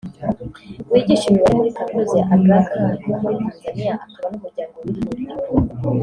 wigisha imibare muri Kaminuza ya Aga Khan yo muri Tanzania akaba n’umunyamuryango w’iri huriro